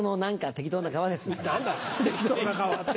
適当な川って。